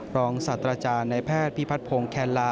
รองศาสตราจารย์ในแพทย์พิพัฒนพงศ์แคนลา